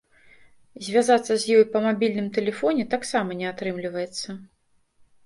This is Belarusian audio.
Звязацца з ёй па мабільным тэлефоне таксама не атрымліваецца.